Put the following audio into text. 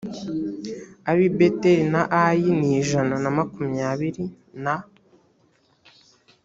ab i beteli na ayi ni ijana na makumyabiri na